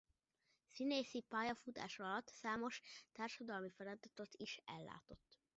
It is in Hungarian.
Színészi pályafutása alatt számos társadalmi feladatot is ellátott.